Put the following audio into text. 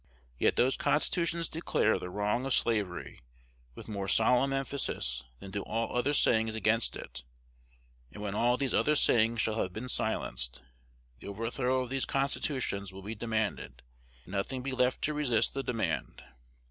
Yet those constitutions declare the wrong of slavery with more solemn emphasis than do all other sayings against it; and when all these other sayings shall have been silenced, the overthrow of these constitutions will be demanded, and nothing be left to resist the demand.